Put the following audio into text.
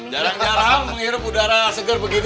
jarang jarang menghirup udara segar begini